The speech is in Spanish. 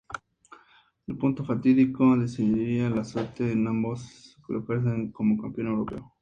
El punto fatídico decidiría la suerte de ambos para coronarse como campeón europeo.